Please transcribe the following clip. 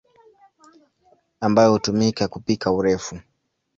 ambayo hutumika kupika urefu.